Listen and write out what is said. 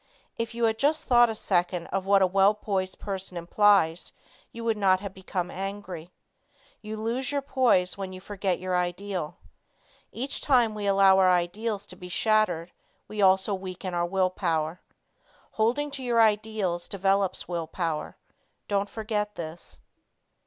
If you had just thought a second of what a well poised person implies you would not have become angry. You lose your poise when you forget your ideal. Each time we allow our ideals to be shattered we also weaken our will power. Holding to your ideals develops will power. Don't forget this.